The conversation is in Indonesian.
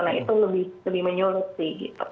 nah itu lebih menyulut sih gitu